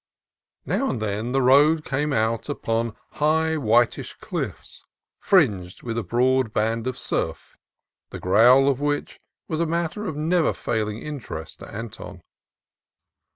Now and then the road came out upon high whitish cliffs fringed with a broad band of surf, the growl of which was a matter of never failing interest to Anton.